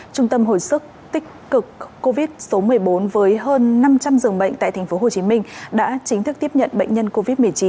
trung tâm hồi sức tích cực covid một mươi bốn với hơn năm trăm linh dường bệnh tại tp hcm đã chính thức tiếp nhận bệnh nhân covid một mươi chín